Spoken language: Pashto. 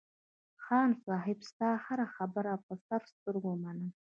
خان صاحب ستا هره خبره په سر سترگو منم.